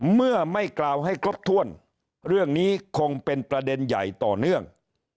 เมื่อไม่กล่าวให้ครบถ้วนเรื่องนี้คงเป็นประเด็นใหญ่ต่อเนื่อง